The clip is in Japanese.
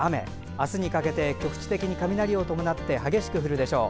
明日にかけては局地的に雷を伴って激しく降るでしょう。